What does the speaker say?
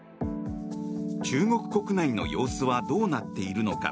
中国国内の様子はどうなっているのか？